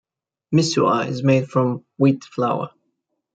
Misua is made from wheat flour.